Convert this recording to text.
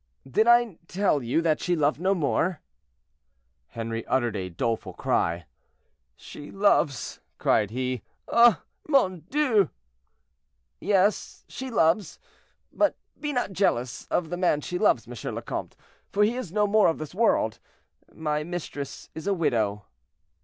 "Did I tell you that she loved no more?" Henri uttered a doleful cry. "She loves!" cried he. "Ah! mon Dieu!" "Yes, she loves; but be not jealous of the man she loves, M. le Comte, for he is no more of this world. My mistress is a widow."